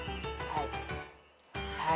はい。